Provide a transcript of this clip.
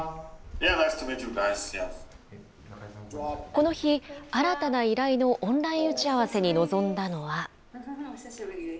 この日、新たな依頼のオンライン打ち合わせに臨んだのは。